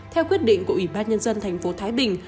theo quyết định của ủy ban nhân dân tp thái bình